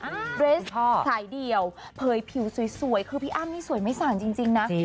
เรสสายเดี่ยวเผยผิวสวยคือพี่อ้ำนี่สวยไม่สั่นจริงนะ